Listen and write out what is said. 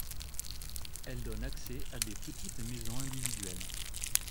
Elle donne accès à des petites maisons individuelles.